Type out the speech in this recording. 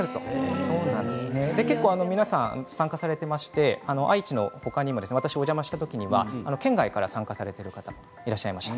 結構皆さん参加されていまして愛知の他にも私がお邪魔した時には県外から参加されている方がいらっしゃいました。